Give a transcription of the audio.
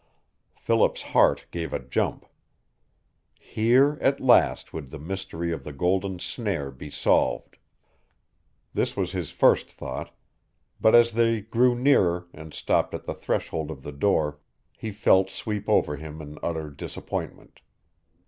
Philip's heart gave a jump. Here, at last, would the mystery of the golden snare be solved. This was his first thought. But as they drew nearer, and stopped at the threshold of the door, he felt sweep over him an utter disappointment.